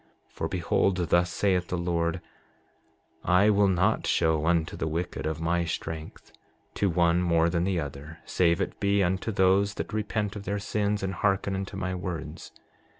7:23 For behold, thus saith the Lord: I will not show unto the wicked of my strength, to one more than the other, save it be unto those that repent of their sins, and hearken unto my words.